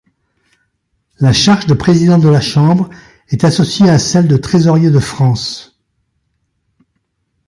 La charge de président de la Chambre est associée celle de Trésorier de France.